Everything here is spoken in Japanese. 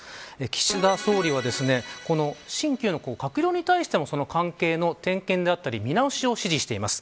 岸田総理はこの新旧の閣僚に対しても関係の点検や見直しを指示しています。